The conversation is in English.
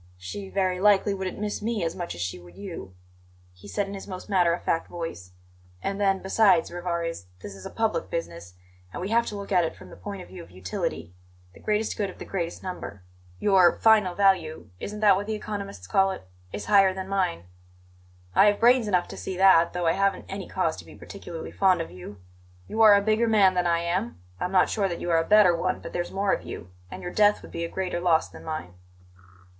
"She very likely wouldn't miss me as much as she would you," he said in his most matter of fact voice. "And then, besides, Rivarez, this is public business, and we have to look at it from the point of view of utility the greatest good of the greatest number. Your 'final value' isn't that what the economists call it? is higher than mine; I have brains enough to see that, though I haven't any cause to be particularly fond of you. You are a bigger man than I am; I'm not sure that you are a better one, but there's more of you, and your death would be a greater loss than mine."